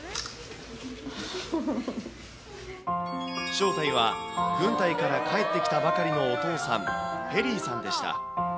正体は、軍隊から帰ってきたばかりのお父さん、ペリーさんでした。